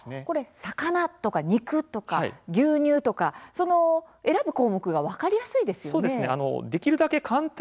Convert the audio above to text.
魚とか肉とか牛乳とか選ぶ項目が分かりやすいですよね。